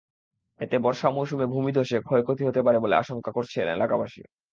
এতে বর্ষা মৌসুমে ভূমিধসে ক্ষয়ক্ষতি হতে পারে বলে আশঙ্কা করছেন এলাকাবাসী।